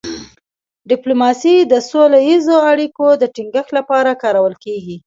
ډيپلوماسي د سوله ییزو اړیکو د ټینګښت لپاره کارول کېږي.